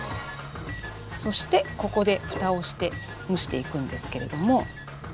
そしてここでふたをして蒸していくんですけれども。